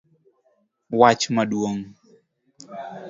Wach maduong'